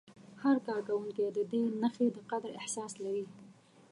هر کارکوونکی د دې نښې د قدر احساس لري.